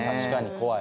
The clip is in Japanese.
怖い。